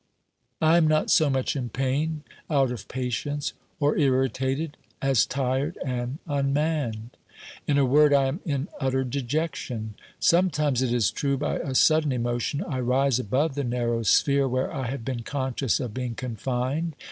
I am not so much in pain, out of patience, or irri tated, as tired and unmanned ; in a word, I am in utter dejection. Sometimes, it is true, by a sudden emotion, I rise above the narrow sphere where I have been conscious of being confined.